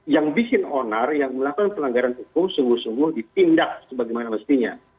yang bikin onar yang melakukan pelanggaran hukum sungguh sungguh ditindak sebagaimana mestinya